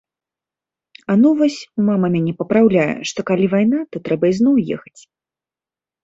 А ну вось, мама мяне папраўляе, што калі вайна, то трэба зноў ехаць.